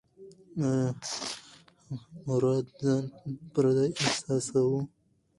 ایا مراد ځان پردی احساساوه؟